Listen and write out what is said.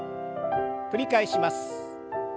繰り返します。